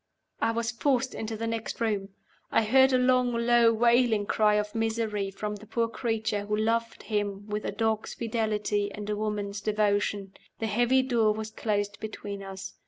I was forced into the next room. I heard a long, low, wailing cry of misery from the poor creature who loved him with a dog's fidelity and a woman's devotion. The heavy door was closed between us.